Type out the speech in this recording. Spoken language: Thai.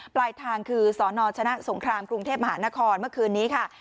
ปลายทางคือสนชนะสงครามกรุงเทพมหานครเมื่อคืนนี้ค่ะ